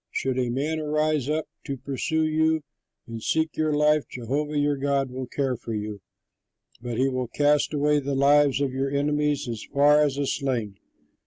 Should a man rise up to pursue you and seek your life, Jehovah your God will care for you, but he will cast away the lives of your enemies as from a sling.